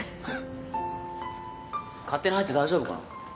勝手に入って大丈夫かな？